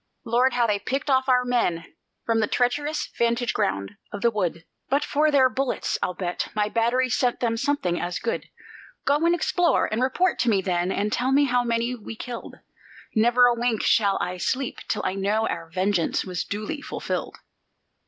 Lord, how they picked off our men, from the treacherous vantage ground of the wood! But for their bullets, I'll bet, my batteries sent them something as good. Go and explore, and report to me then, and tell me how many we killed. Never a wink shall I sleep till I know our vengeance was duly fulfilled."